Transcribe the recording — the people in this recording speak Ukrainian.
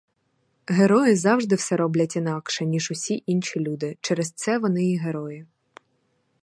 Герої завжди все роблять інакше, ніж усі інші люди, через це вони й герої!